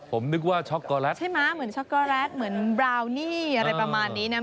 ผมนึกว่าช็อกโกแลตใช่ไหมเหมือนช็อกโกแลตเหมือนบราวนี่อะไรประมาณนี้นะ